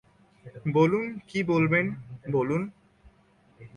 বলুন কী বলবেন, বলুন।